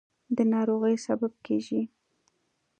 د ناروغۍ سبب کېږي.